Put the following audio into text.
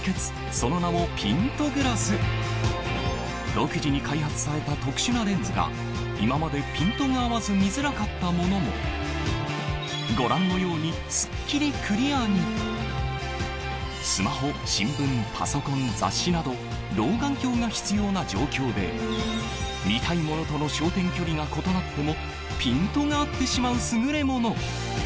その名も独自に開発された特殊なレンズが今までピントが合わず見づらかったものもご覧のようにすっきりクリアに雑誌など老眼鏡が必要な状況で見たいものとの焦点距離が異なってもピントが合ってしまう優れもの